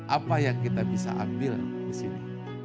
apa yang kita bisa ambil disini